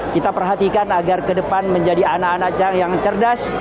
kita perhatikan agar ke depan menjadi anak anak yang cerdas